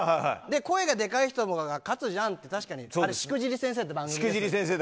声がでかい人のほうが勝つじゃんって確かに「しくじり先生」で。